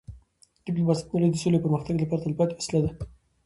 ډيپلوماسي د نړی د سولې او پرمختګ لپاره تلپاتې وسیله ده.